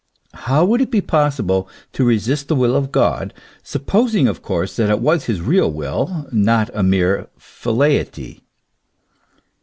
How would it be possible to resist the will of God, supposing of course that it was his real will, not a mere velleity